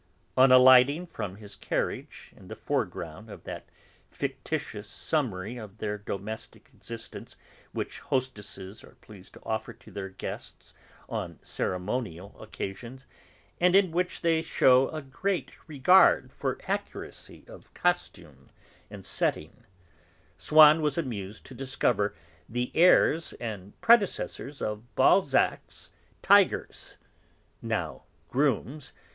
On alighting from his carriage, in the foreground of that fictitious summary of their domestic existence which hostesses are pleased to offer to their guests on ceremonial occasions, and in which they shew a great regard for accuracy of costume and setting, Swann was amused to discover the heirs and successors of Balzac's 'tigers' now 'grooms'